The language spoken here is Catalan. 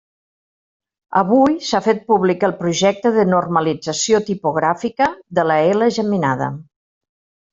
Avui s'ha fet públic el projecte de normalització tipogràfica de la ela geminada.